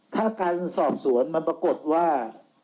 ถ้าการสอบสวนมันปรากฏว่า